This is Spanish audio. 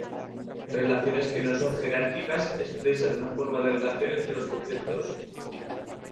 Relaciones que no son jerárquicas expresan una forma de relación entre los conceptos.